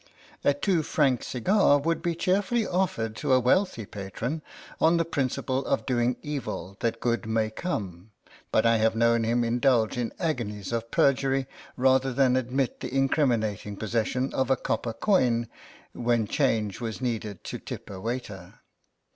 A two franc cigar would be cheerfully offered to a wealthy patron, on the principle of doing evil that good may come, but I have known him indulge in agonies of perjury rather than admit the incriminating possession of a copper coin when change was needed to tip a waiter.